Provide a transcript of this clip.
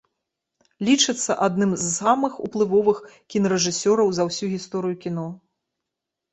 Лічыцца адным з самых уплывовых кінарэжысёраў за ўсю гісторыю кіно.